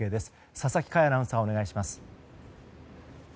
佐々木快アナウンサーお願いします。